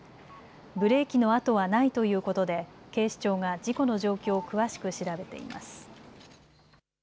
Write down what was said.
ブレーキの跡はないということで警視庁が事故の状況を詳しく調べています。